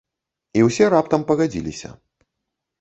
І ўсе раптам пагадзіліся.